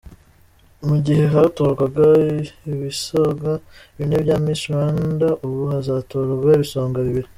Mu gihe hatorwaga ibisonga bine bya Misi Rwanda, ubu hazatorwa ibisonga bibiri.